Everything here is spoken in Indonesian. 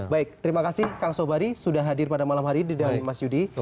baik terima kasih kang sobari sudah hadir pada malam hari ini dan mas yudi